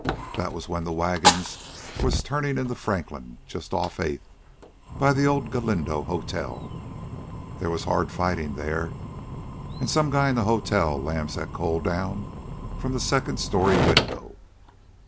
That was when the wagons was turnin' into Franklin, just off Eighth, by the old Galindo Hotel. They was hard fightin' there, an' some guy in the hotel lams that coal down from the second story window.